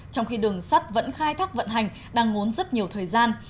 trong khi đường sắt vẫn khai thác vận hành đang ngốn rất nhiều thời gian